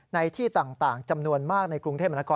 ในที่ต่างจำนวนมากในกรุงเทพมนาคม